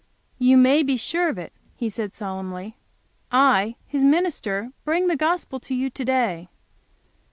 "You may be sure of it," he said, solemnly. "I, minister, bring the gospel to you to day.